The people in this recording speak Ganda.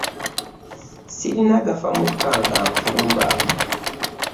Ssirina gafa mukka nga nfumba.